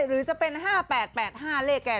หรือจะเป็น๕๘๘๕เลขแก